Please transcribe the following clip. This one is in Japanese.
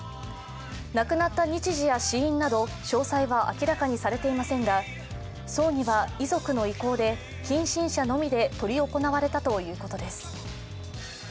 亡くなった日時や死因など詳細は明らかにされていませんが葬儀は遺族の意向で近親者のみで執り行われたということです。